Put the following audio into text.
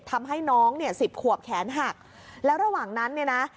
ทำให้น้องเนี่ยสิบขวบแขนหักแล้วระหว่างนั้นเนี่ยนะ